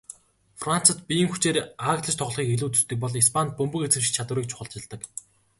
Францад биеийн хүчээр ааглаж тоглохыг илүүд үздэг бол Испанид бөмбөг эзэмших чадварыг чухалчилдаг.